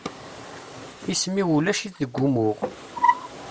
Isem-iw ulac-it deg umuɣ.